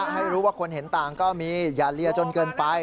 ให้รู้ว่าคนเห็นต่างก็มีอย่าเลียจนเกินไป